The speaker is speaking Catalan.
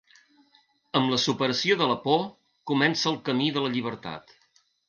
Amb la superació de la por comença el camí de la llibertat.